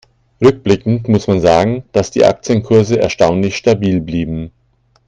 Rückblickend muss man sagen, dass die Aktienkurse erstaunlich stabil blieben.